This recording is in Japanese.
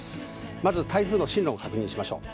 まず台風の進路を確認しましょう。